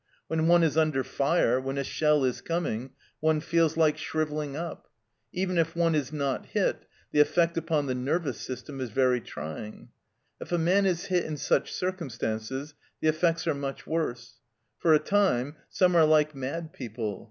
When one is under fire, when a shell is coming, one feels like shrivelling up. Even if one is not hit, the effect upon the nervous system is very trying. If a man is hit in such circumstances the effects are much worse. For a time, some are like mad people.